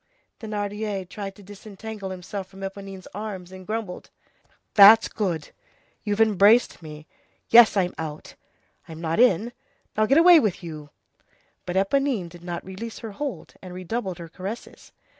Thénardier tried to disentangle himself from Éponine's arms, and grumbled:— "That's good. You've embraced me. Yes, I'm out. I'm not in. Now, get away with you." But Éponine did not release her hold, and redoubled her caresses.